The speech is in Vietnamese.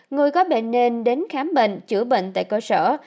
người có bệnh nên đến khám bệnh chữa bệnh tại cơ sở